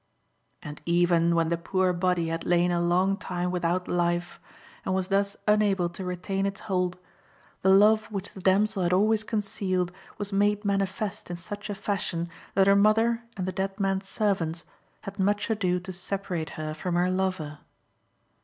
And even when the poor body had lain a long time without life, and was thus unable to retain its hold, the love which the damsel had always concealed was made manifest in such a fashion that her mother and the dead man's servants had much ado to separate her from her lover.